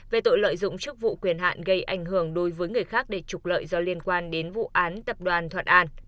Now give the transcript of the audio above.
về tội lợi dụng chức vụ quyền hạn gây ảnh hưởng đối với người khác để trục lợi do liên quan đến vụ án tập đoàn thuận an